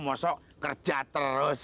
masuk kerja terus